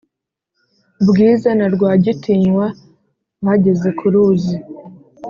bwiza na rwagitinywa bageze kuruzi